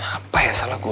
apa ya salah gue